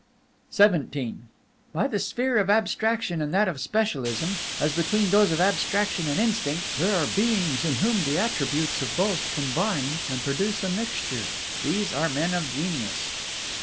XVII Between the sphere of Abstraction and that of Specialism, as between those of Abstraction and Instinct, there are beings in whom the attributes of both combine and produce a mixture; these are men of genius.